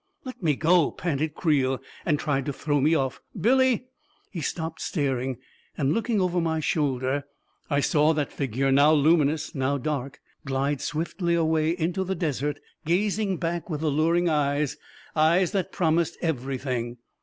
" Let me go !" panted Creel, and tried to throw me off. " Billy ..." He stopped, staring; and looking over my shoul der, I saw that figure, now luminous, now dark, glide swiftly away into the desert, gazing back with 370 A KING IN BABYLON alluring eyes — eyes that promised everything